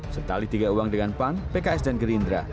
setali tiga uang dengan pan pks dan gerindra